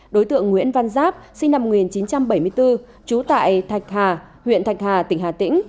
đối tượng nguyễn văn giáp sinh năm một nghìn chín trăm bảy mươi bốn trú tại thạch hà huyện thạch hà tỉnh hà tĩnh